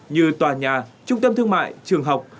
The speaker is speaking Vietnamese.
như tòa nhà trung tâm thương mại trường học